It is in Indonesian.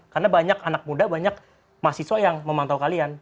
karena banyak anak muda banyak mahasiswa yang memantau kalian